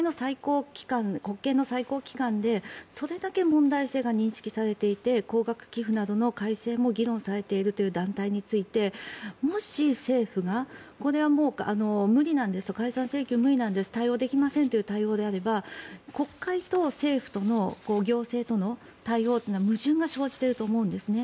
国会の最高機関でそれだけ問題性が認識されていて高額寄付などの改正も議論されているという団体についてもし、政府がこれは無理なんです解散請求無理なんです対応できませんという対応であれば国会と政府との行政との対応というのは矛盾が生じていると思うんです。